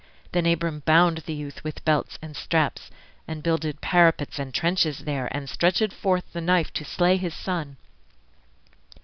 Then Abram bound the youth with belts and straps, And builded parapets and trenches there, And stretch\ed forth the knife to slay his son.